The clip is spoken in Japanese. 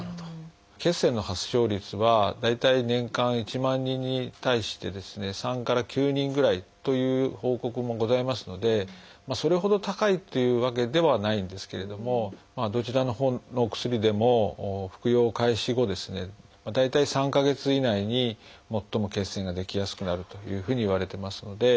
血栓の発症率は大体年間１万人に対してですね３から９人ぐらいという報告もございますのでそれほど高いというわけではないんですけれどもどちらのほうのお薬でも服用開始後大体３か月以内に最も血栓が出来やすくなるというふうにいわれてますので。